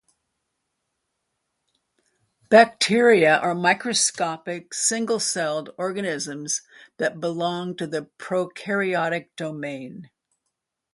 Bacteria are microscopic, single-celled organisms that belong to the prokaryotic domain.